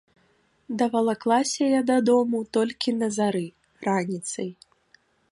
Давалаклася я дадому толькі на зары, раніцай.